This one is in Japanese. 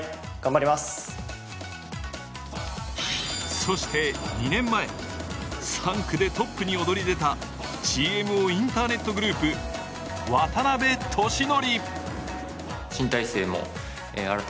そして２年前、３区でトップに躍り出たＧＭＯインターネットグループ渡邉利典。